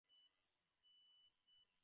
বীভৎস দুঃস্বপ্ন কি তাড়া করে ফিরত তাকে?